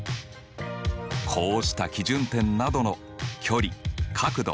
こうした基準点などの距離角度